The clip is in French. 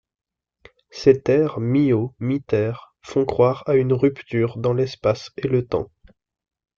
Ces terres mi-eau mi-terre font croire à une rupture dans l'espace et le temps.